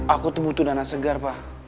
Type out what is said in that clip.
aku tuh butuh dana segar pak